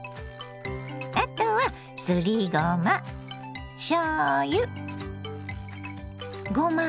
あとはすりごましょうゆごま